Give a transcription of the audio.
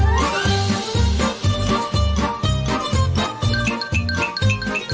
โปรดติดตามตอนต่อไป